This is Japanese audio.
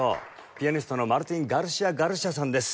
ピアニストのマルティン・ガルシア・ガルシアさんです。